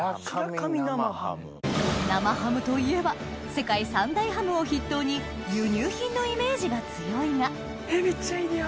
生ハムといえば世界三大ハムを筆頭に輸入品のイメージが強いがめっちゃいい匂い！